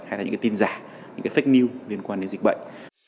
hay là những tin giả những fake news liên quan đến dịch bệnh